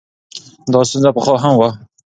دا ستونزه پخوا هم وه.